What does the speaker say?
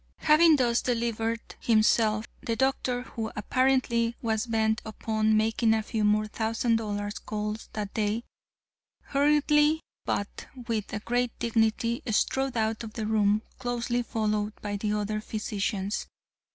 Having thus delivered himself, the doctor, who apparently was bent upon making a few more thousand dollar calls that day, hurriedly, but with great dignity, strode out of the room, closely followed by the other physicians.